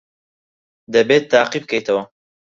دەبێت تاقی بکەیتەوە.